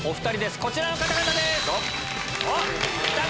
こちらの方々です！